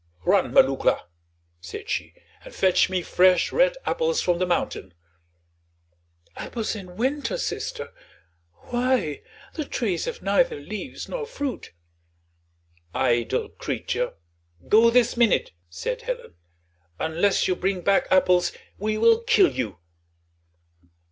"Run, Marouckla," said she, "and fetch me fresh red apples from the mountain." "Apples in winter, sister? why, the trees have neither leaves nor fruit." "Idle creature, go this minute," said Helen; "unless you bring back apples we will kill you."